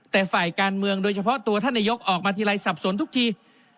แต่ฝ่ายการเมืองโดยเฉพาะตัวท่านนายกออกมาทีไรสับสนทุกที